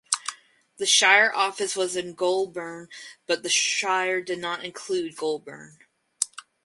The shire office was in Goulburn but the shire did not include Goulburn.